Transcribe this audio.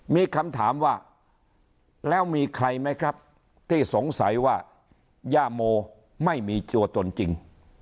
มีคำถามว่าแล้วมีใครไหมครับที่สงสัยว่าย่าโมไม่มีตัวตนจริง